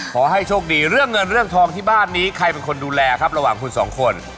ขอให้โชคดีเรื่องเงินเรื่องทองที่บ้านนี้ใครเป็นคนดูแลครับระหว่างคุณสองคน